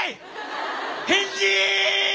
返事！